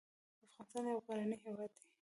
افغانستان يو غرنی هېواد دی.